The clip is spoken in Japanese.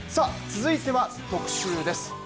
続いては特集です。